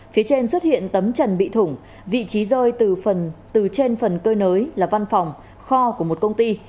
phía trên xuất hiện tấm trần bị thủng vị trí rơi từ trên phần cơ nới là văn phòng kho của một công ty